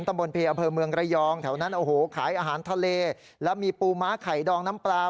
ตำบลเพย์อำเภอเมืองระยองแถวนั้นโอ้โหขายอาหารทะเลแล้วมีปูม้าไข่ดองน้ำปลา